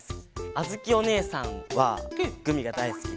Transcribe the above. あづきおねえさんはグミがだいすきで。